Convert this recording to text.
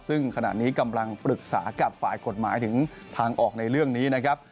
ซึ่งขณะนี้กำลังปรึกษากับฝ่ายกฎหมายถึงทางออกในเรื่องนี้นะครับ